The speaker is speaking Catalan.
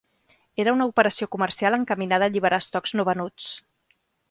Era una operació comercial encaminada a alliberar estocs no venuts.